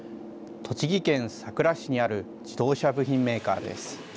栃木県さくら市にある自動車部品メーカーです。